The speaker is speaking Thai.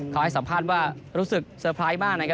เค้าให้สัมภัณฑ์ว่ารู้สึกเสียงหว่านี้มากนครับ